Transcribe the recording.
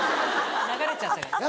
流れちゃったから。